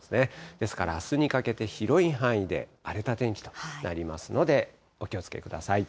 ですからあすにかけて広い範囲で荒れた天気となりますので、お気をつけください。